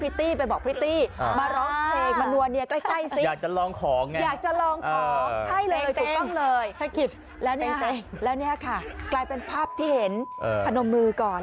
ถูกต้องเลยแล้วเนี่ยค่ะกลายเป็นภาพที่เห็นพนมมือก่อน